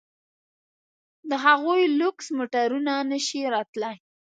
د هغوی لوکس موټرونه نه شي راتلای.